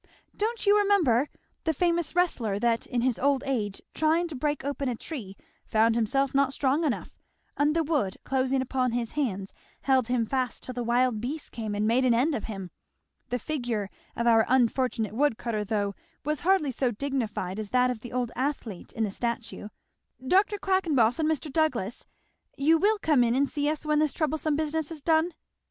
"Don't you remember, the famous wrestler that in his old age trying to break open a tree found himself not strong enough; and the wood closing upon his hands held him fast till the wild beasts came and made an end of him. The figure of our unfortunate wood cutter though, was hardly so dignified as that of the old athlete in the statue. Dr. Quackenboss, and Mr. Douglass, you will come in and see us when this troublesome business is done?"